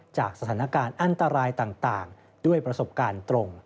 จากสถานการณ์อันตรายต่างด้วยประสบการณ์ตรง